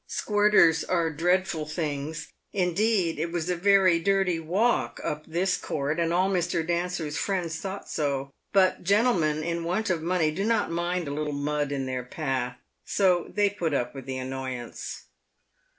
Squirters are dreadful things. Indeed, it was a very dirty walk up this court, and all Mr. Dancer's friends thought so ; but gentlemen in want of money do not mind a little mud in their path, so they put up with the annoyance.